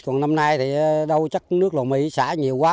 còn năm nay thì đâu chắc nước lồ mỉ xả nhiều quá